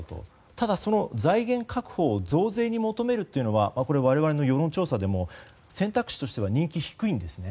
ただ、その財源確保を増税に求めるというのは我々の世論調査でも選択肢としては人気が低いんですね。